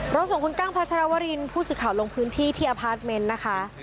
ส่งคุณกั้งพัชรวรินผู้สื่อข่าวลงพื้นที่ที่อพาร์ทเมนต์นะคะ